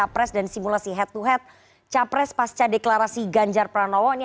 bikini menerima salinan